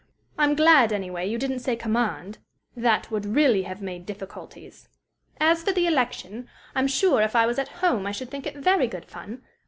I'm glad, anyway, you didn't say command; that would really have made difficulties. "As for the election, I'm sure if I was at home I should think it very good fun.